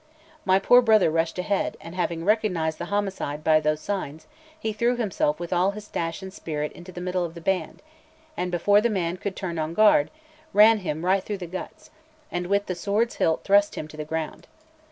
My poor brother rushed ahead, and having recognised the homicide by those signs, he threw himself with all his dash and spirit into the middle of the band, and before his man could turn on guard, ran him right through the guts, and with the sword's hilt thrust him to the ground.